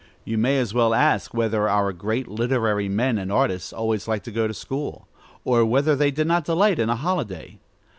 You may as well ask whether our great literary men and artists always like to go to school, or whether they did not delight in a holiday.